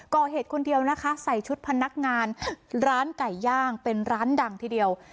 ก่อเหตุคนเดียวนะคะใส่ชุดพนักงานร้านไก่ย่างเป็นร้านดังทีเดียว